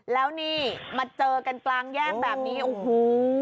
แล้วนี่มาเจอกันกลางแยกแบบนี้โอ้โห